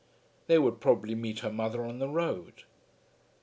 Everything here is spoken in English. They would probably meet her mother on the road.